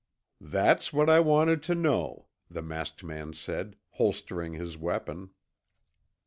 "That's what I wanted to know," the masked man said, holstering his weapon.